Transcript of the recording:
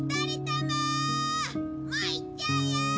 もう行っちゃうよ！